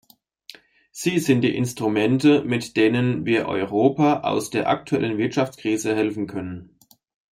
Sie sind die Instrumente, mit denen wir Europa aus der aktuellen Wirtschaftskrise helfen können.